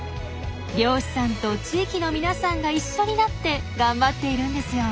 漁師さんと地域の皆さんが一緒になって頑張っているんですよ。